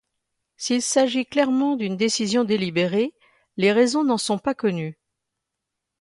S'il s'agit clairement d'une décision délibérée, les raisons n'en sont pas connues.